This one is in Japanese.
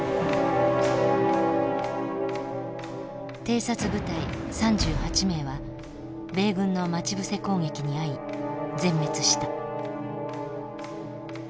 偵察部隊３８名は米軍の待ち伏せ攻撃に遭い全滅した。